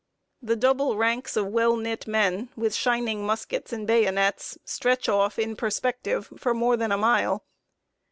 The double ranks of well knit men, with shining muskets and bayonets, stretch off in perspective for more than a mile.